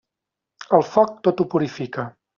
El foc, tot ho purifica.